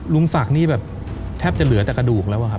ลุงศักดิ์นี่แบบแทบจะเหลือแต่กระดูกแล้วอะครับ